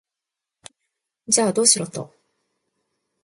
じゃあ、どうしろと？